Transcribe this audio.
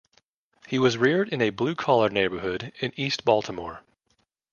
He was reared in a blue-collar neighborhood in East Baltimore.